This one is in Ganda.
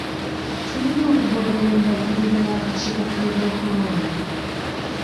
Tulina okugoberera endagiriro y'akakiiko k'ebyokulonda.